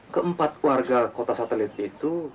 keempat warga kota satelit itu